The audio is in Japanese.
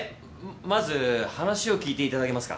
まず話を聞いていただけますか？